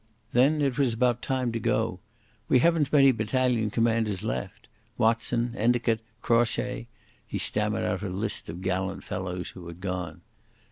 Then it was about time to go.... We haven't many battalion commanders left. Watson, Endicot, Crawshay...." He stammered out a list of gallant fellows who had gone.